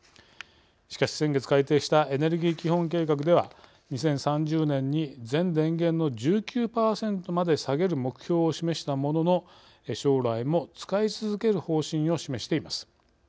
しかし先月改定したエネルギー基本計画では２０３０年に全電源の１９％まで下げる目標を示したものの将来も使い続ける方針を示しています。